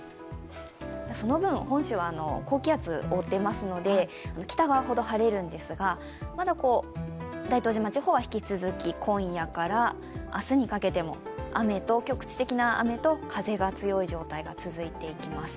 その分、本州は高気圧が覆っていますので、北側ほど晴れるんですが、まだ大東島地方は引き続き今夜から明日にかけての局地的な雨と風が強い状態が続いていきます。